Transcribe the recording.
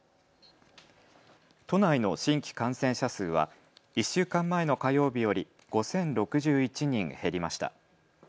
都内の新規感染者数は１週間前の火曜日より５０６１人減りました。